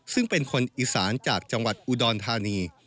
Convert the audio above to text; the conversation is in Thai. ซึ่งเป็นคนอีสานจากจังหวัดอุดรธานี